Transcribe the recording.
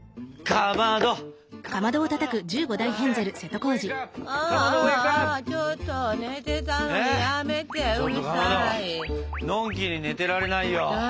かまどのんきに寝てられないよ。